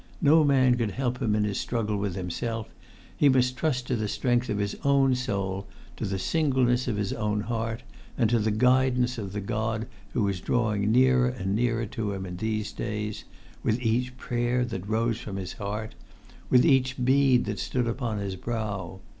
No man could help him in his struggle with himself; he must trust to the strength of his own soul, to the singleness of his own heart, and to the guidance of the God who was drawing nearer and nearer to him in these days—with each prayer that rose from his heart—with each bead that stood upon his brow.